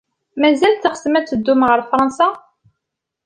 Mazal teɣsem ad teddum ɣer Fṛansa?